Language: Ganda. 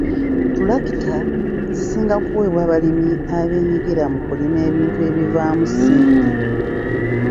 Ttulakita zisinga kuweebwa balimi abeenyigira mu kulima ebintu ebivaamu ssente.